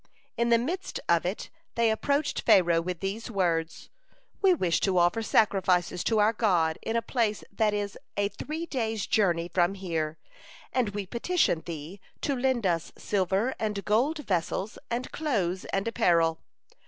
In the midst of it, they approached Pharaoh with these words: "We wish to offer sacrifices to our God in a place that is a three days' journey from here, and we petition thee to lend us silver and gold vessels, and clothes, and apparel."